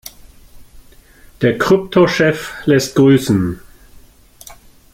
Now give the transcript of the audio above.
Der Kryptochef lässt grüßen.